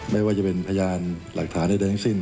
ไม่ว่าจะเป็นพยานหลักฐานใดทั้งสิ้น